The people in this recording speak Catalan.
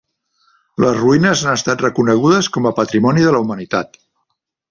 Les ruïnes han estat reconegudes com a Patrimoni de la Humanitat.